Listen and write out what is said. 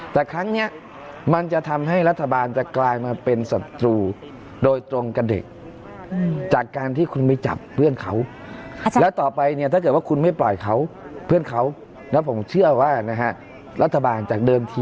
แต่ครั้งนี้มันจะทำให้รัฐบาลจะกลายมาเป็นสตุโดยตรงกับเด็กจากการที่คุณไม่จับเพื่อนเขา